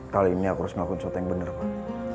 kali ini aku harus melakukan sesuatu yang benar pak